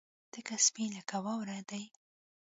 تک سپين لکه واورې دي.